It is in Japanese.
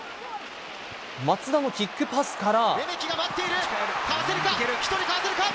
松田のキックパスから。